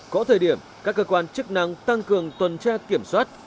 có thời điểm các cơ quan chức năng tăng cường tuần tra kiểm soát